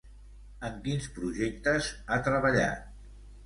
En quins projectes ha treballat?